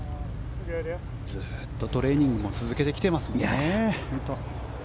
ずっとトレーニングも続けてきていますからね。